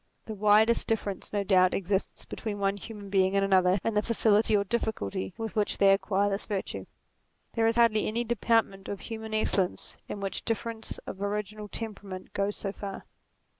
The widest difference no doubt exists between one human being and another in the facility or difficulty with which they acquire this virtue. There is hardly any department of human excellence in which difference of original temperament goes so far.